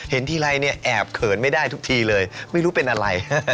เห็นทีไรเนี่ยแอบเขินไม่ได้ทุกทีเลยไม่รู้เป็นอะไร